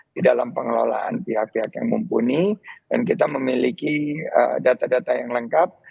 di dalam pengelolaan pihak pihak yang mumpuni dan kita memiliki data data yang lengkap